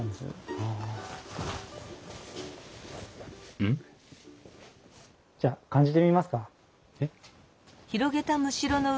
うん？じゃあ感じてみますか。